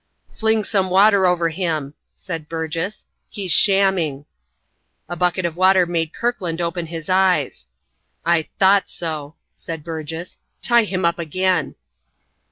"Fling some water over him!" said Burgess; "he's shamming." A bucket of water made Kirkland open his eyes. "I thought so," said Burgess. "Tie him up again."